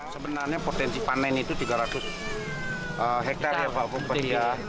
sebenarnya potensi panen itu tiga ratus hektare ya pak bupati